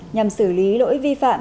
nhằm xử lý lỗi vi phạm